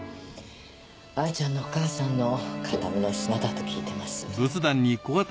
藍ちゃんのお母さんの形見の品だと聞いてます。